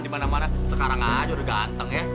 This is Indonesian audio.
dimana mana sekarang aja udah ganteng ya